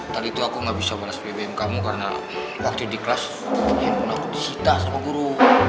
tadi tuh aku gak bisa bales pbm kamu karena waktu di kelas handphone aku disita sama guru